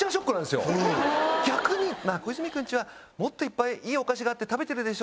「まぁ小泉君家はもっといっぱいいいお菓子があって食べてるでしょ？」。